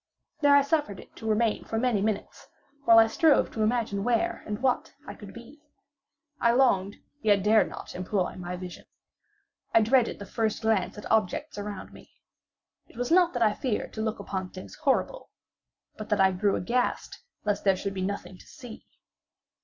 There I suffered it to remain for many minutes, while I strove to imagine where and what I could be. I longed, yet dared not to employ my vision. I dreaded the first glance at objects around me. It was not that I feared to look upon things horrible, but that I grew aghast lest there should be nothing to see.